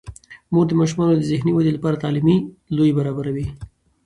مور د ماشومانو د ذهني ودې لپاره تعلیمي لوبې برابروي.